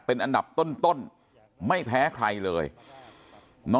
คุณยายบอกว่ารู้สึกเหมือนใครมายืนอยู่ข้างหลัง